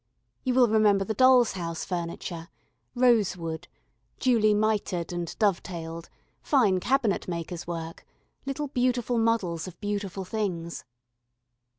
You will remember the doll's house furniture, rosewood, duly mitred and dovetailed, fine cabinet makers' work, little beautiful models of beautiful things.